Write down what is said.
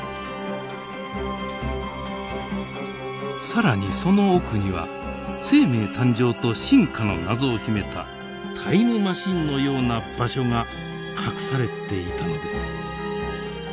更にその奥には生命誕生と進化の謎を秘めたタイムマシンのような場所が隠されていたのです。